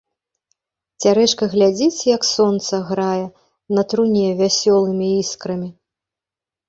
Цярэшка глядзіць, як сонца грае на труне вясёлымі іскрамі.